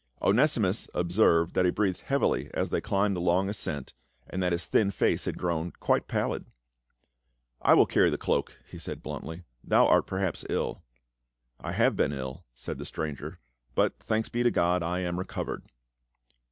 Onesimus observed that he breathed heavily as they climbed the long ascent, and that his thin face had grown quite pallid. "I will carry the cloak," he said bluntly. "Thou art perhaps ill." " I have been ill," said the stranger, " but thanks be to God, I am recovered."